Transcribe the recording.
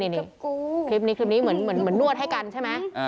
นี่คลิปนี้เหมือนนวดให้กันใช่ไหม